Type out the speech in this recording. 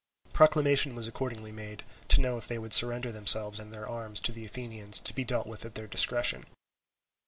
Proclamation was accordingly made, to know if they would surrender themselves and their arms to the Athenians to be dealt at their discretion.